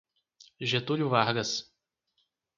Getúlio Vargas